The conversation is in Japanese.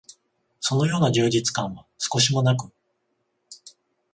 そのような充実感は少しも無く、